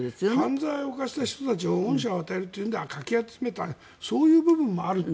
犯罪を犯した人たちに恩赦を与えるというのでかき集めたそういう部分もあるという。